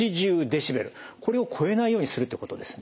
これを超えないようにするってことですね。